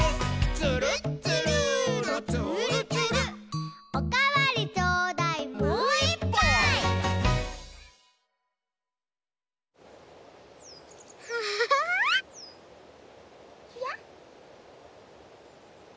「つるっつるーのつーるつる」「おかわりちょうだい」「もういっぱい！」ちらっ。